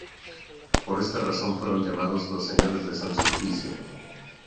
Por esta razón fueron llamados los Señores de San Sulpicio.